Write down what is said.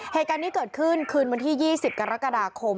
เหตุการณ์นี้เกิดขึ้นคืนวันที่๒๐กรกฎาคม